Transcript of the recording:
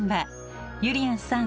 ゆりやんさん